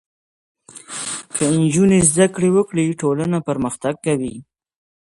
که نجونې زده کړې وکړي ټولنه پرمختګ کوي.